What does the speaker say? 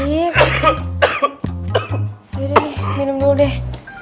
yaudah minum dulu deh